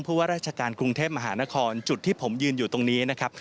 ว่าราชการกรุงเทพมหานครจุดที่ผมยืนอยู่ตรงนี้นะครับ